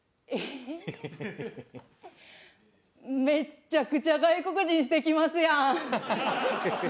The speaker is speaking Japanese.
めっちゃくちゃ外国人してきますやん。